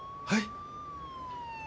はい？